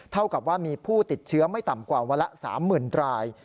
เท่ากับว่ามีผู้ติดเชื้อไม่ต่ำกว่าวันละ๓๐๐๐ราย